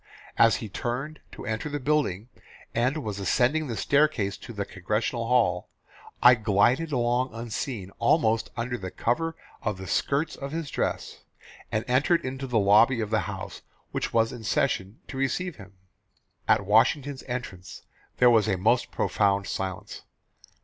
As he turned to enter the building, and was ascending the staircase to the Congressional hall, I glided along unseen, almost under the cover of the skirts of his dress, and entered into the lobby of the House which was in session to receive him. "At Washington's entrance there was a most profound silence.